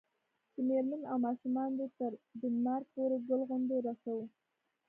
چې میرمن او ماشومان دې تر ډنمارک پورې ګل غوندې رسوو.